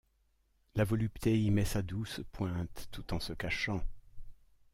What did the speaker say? La volupté y met sa douce pointe, tout en se cachant.